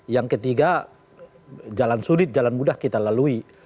yang ketiga jalan sulit jalan mudah kita lalui